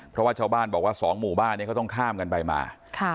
เพราะว่าชาวบ้านบอกว่าสองหมู่บ้านนี้เขาต้องข้ามกันไปมา